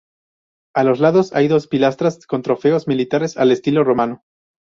A los lados hay dos pilastras con trofeos militares al estilo romano.